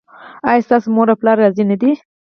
ایا ستاسو مور او پلار راضي نه دي؟